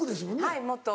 はいもっと。